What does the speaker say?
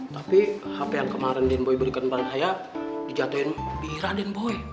tapi hp yang kemarin den boy berikan ke pak raya dijatuhin bihira den boy